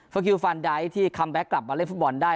เฟอร์คิวฟานดายที่คัมแบคกลับมาเล่นฟุตบอลได้